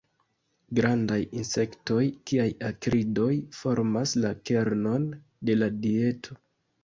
Grandaj insektoj kiaj akridoj formas la kernon de la dieto.